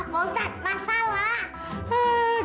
masalah pak ustadz masalah